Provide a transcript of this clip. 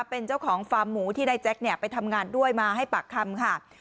เป็นเจ้าของฟาร์มหมูที่นายแจ็คไปทำงานด้วยมาให้ปากคำค่ะ